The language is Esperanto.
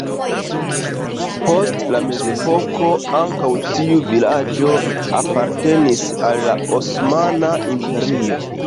Post la mezepoko ankaŭ tiu vilaĝo apartenis al la Osmana Imperio.